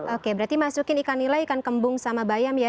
oke berarti masukin ikan nila ikan kembung sama bayam ya